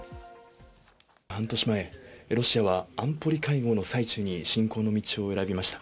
半年前、ロシアは安保理会合の最中に侵攻の道を選びました。